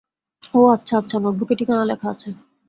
ও, আচ্ছা আচ্ছা, নোটবুকে ঠিকানা লেখা আছে।